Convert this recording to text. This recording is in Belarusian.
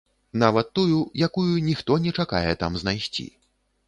Нават тую, якую ніхто не чакае там знайсці.